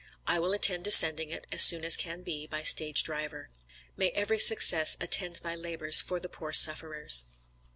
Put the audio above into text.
I will attend to sending it, as soon as can be, by stage driver. May every success attend thy labors for the poor sufferers.